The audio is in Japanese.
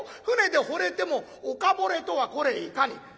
船でほれても岡ぼれとはこれいかに」。